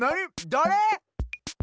だれ？